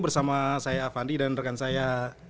bersama saya avandi dan rekan saya